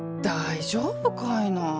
大丈夫かいな。